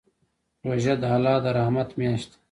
روژه د الله د رحمت میاشت ده.